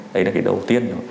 đấy là cái đầu tiên